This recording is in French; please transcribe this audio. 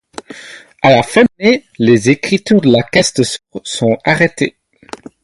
À la fin de l'année, les écritures de la caisse de secours sont arrêtées.